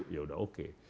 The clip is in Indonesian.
ya udah oke